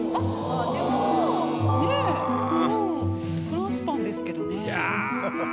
フランスパンですけどね。